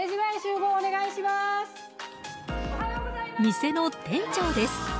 店の店長です。